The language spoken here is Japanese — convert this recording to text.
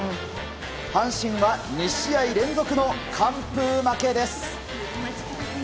阪神は２試合連続の完封負けです。